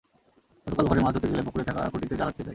গতকাল ভোরে মাছ ধরতে গেলে পুকুরে থাকা খুঁটিতে জাল আটকে যায়।